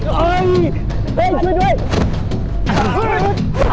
แล้วไม่ชัก